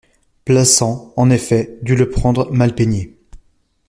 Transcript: Plassans, en effet, dut le prendre mal peigné.